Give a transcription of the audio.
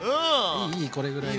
いいいいこれぐらいが。